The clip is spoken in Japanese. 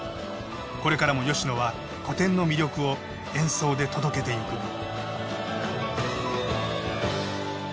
これからも吉野は古典の魅力を演奏で届けていく。